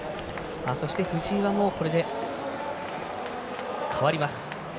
そして、藤井はこれで代わります。